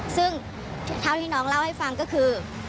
ซึ่งเท่าที่น้องเล่าให้ฟังก็คือ